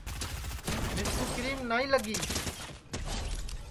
مِسکُو کیرم نائی لگی